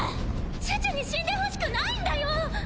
チュチュに死んでほしくないんだよ！